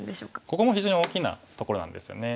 ここも非常に大きなところなんですよね。